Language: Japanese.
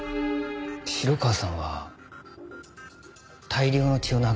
城川さんは大量の血を流して倒れてました。